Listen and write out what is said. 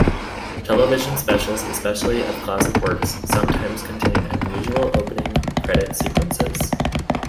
Television specials, especially of classic works, sometimes contain unusual opening credit sequences.